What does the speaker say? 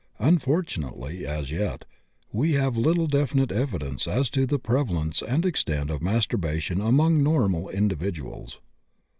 Unfortunately, as yet, we have little definite evidence as to the prevalence and extent of masturbation among normal individuals.